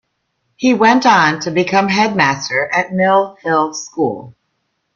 He went on to become Headmaster at Mill Hill School.